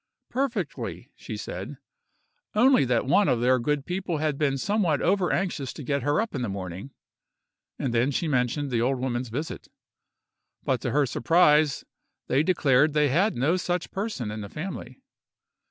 "Perfectly," she said, "only that one of their good people had been somewhat over anxious to get her up in the morning;" and she then mentioned the old woman's visit, but to her surprise, they declared they had no such person in the family.